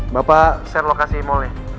bapak share lokasi mallnya